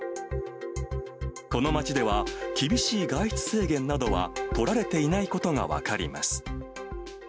この街では、厳しい外出制限などは取られていないことが分かります。